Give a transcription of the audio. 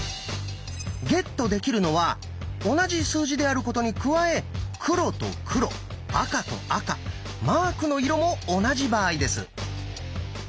ゲットできるのは同じ数字であることに加え黒と黒赤と赤マークの色も同じ場合です。